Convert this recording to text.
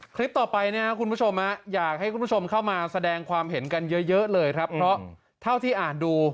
คลิปต่อไปนะครับคุณผู้ชมอยากให้คุณผู้ชมเข้ามาแสดงความเห็นกันเยอะเลยครับเพราะเท่าที่อ่านดู